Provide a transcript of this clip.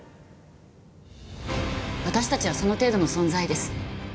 私たちはその程度の存在です。